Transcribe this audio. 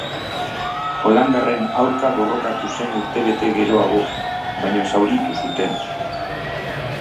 Holandarren aurka borrokatu zen urtebete geroago baina zauritu zuten.